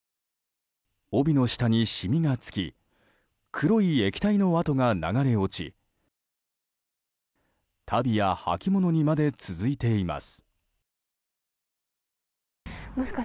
帯の下に染みがつき黒い液体の跡が流れ落ち足袋や履物にまで続いています。